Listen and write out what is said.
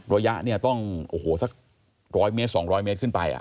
ระยะต้อง๑๐๐๒๐๐เมตรขึ้นไป